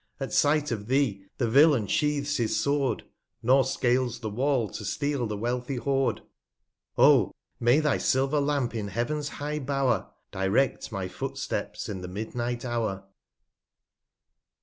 At Sight of thee, the Villain sheaths his Sword, 5 Nor scales the Wall, to steal the wealthy Hoard. Oh \ may thy Silver Lamp in Heav'n's high Bow'r Direft my Footsteps in the Midnight Hour.